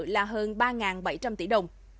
là hơn ba bảy trăm linh tỷ đồng